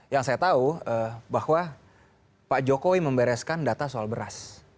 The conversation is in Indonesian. yang saya tahu bahwa pak jokowi membereskan data soal beras